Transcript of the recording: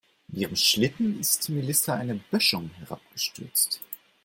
Mit ihrem Schlitten ist Melissa eine Böschung herabgestürzt.